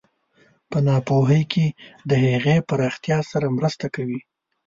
په ناپوهۍ کې د هغې پراختیا سره مرسته کوي.